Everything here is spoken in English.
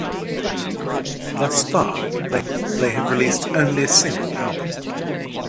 Thus far they have released only a single album.